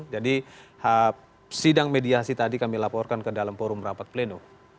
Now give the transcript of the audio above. jadi sidang mediasi tadi kami laporkan ke dalam forum rapat pleno